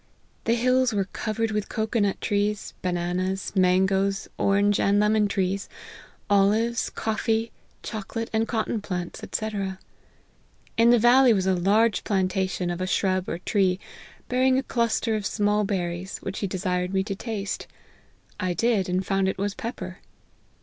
The hills were covered with cocoa nut trees, bananas, mangoes, orange and lemon trees, olives, coffee, chocolate, and cotton plants, &c. In the valley was a large plantation of a shrub or tree, bearing a cluster of small berries, which he desired me to taste ; I did, and found it was pepper.